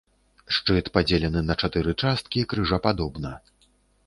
Шчыт падзелены на чатыры часткі крыжападобна.